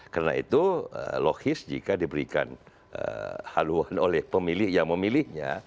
karena itu logis jika diberikan haluan oleh pemilih yang memilihnya